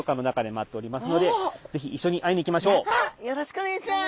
よろしくお願いします。